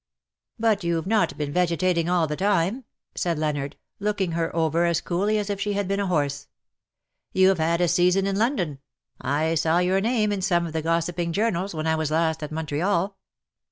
" But youVe not been vegetating all the time," said Leonard, looking her over as coolly as if she had been a horse. ^' You have had a season in London. I saw your name in some of the gossip ing journals, when I was last at Montreal.